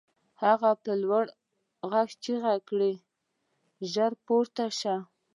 هغه په لوړ غږ چیغې کړې او ژر پورته شو